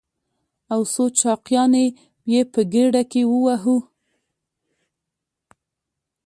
او څو چاقيانې يې په ګېډه کې ووهو.